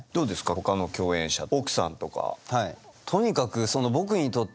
ほかの共演者奥さんとか。